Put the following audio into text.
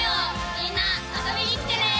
みんな遊びに来てね。